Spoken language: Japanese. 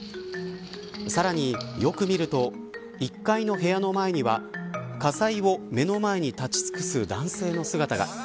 さらに、よく見ると１階の部屋の前には火災を目の前に立ち尽くす男性の姿が。